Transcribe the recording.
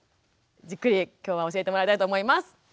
じっくり今日は教えてもらいたいと思います。